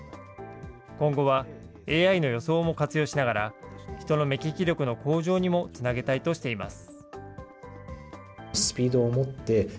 今後は、ＡＩの予想も活用しながら、人の目利き力の向上にもつなげたいとしています。